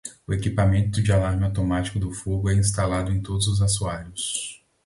O equipamento de alarme automático do fogo é instalado em todos os assoalhos.